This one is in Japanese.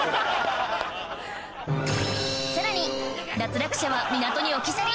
さらに脱落者は港に置き去り！